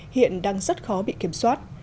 hiện đang rất khó bị kiểm soát